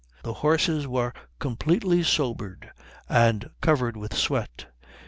The horses were completely sobered and covered with sweat.